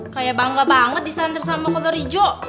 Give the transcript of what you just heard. kayak bangga banget disandar sama kolor ijo